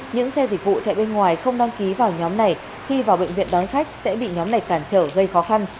những xe dịch vụ chạy bên ngoài không đăng ký vào nhóm này khi vào bệnh viện đón khách sẽ bị nhóm này cản trở gây khó khăn